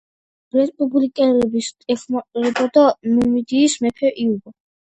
რესპუბლიკელებს ეხმარებოდა ნუმიდიის მეფე იუბა.